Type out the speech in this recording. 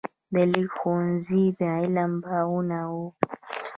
د لیک ښوونځي د علم باغونه وو.